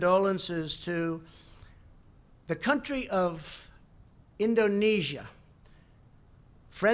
orang orang tidak pernah melihatnya